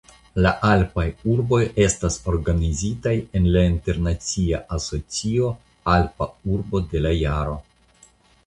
La Alpaj urboj estas organizitaj en la internacia asocio "Alpa Urbo de la Jaro".